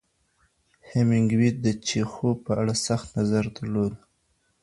همینګوې د چیخوف په اړه سخت نظر درلود.